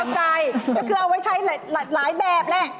ก็คือเอาไว้ใช้หลายแบบแหละ